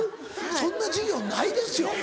そんな授業ないですよ。